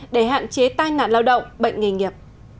để hạn chế tai nạn lao động bệnh nghề nghiệp